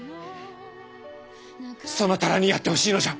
そなたらにやってほしいのじゃ！